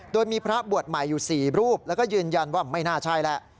โดยมีพระบวชใหม่อยู่๔รูปแล้วก็ยืนยันว่าไม่น่าใช่แหละ